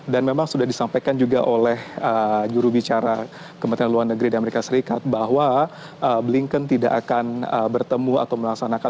dan memang sudah disampaikan juga oleh jurubicara kementerian luar negeri di amerika serikat bahwa blinken tidak akan bertemu atau melaksanakan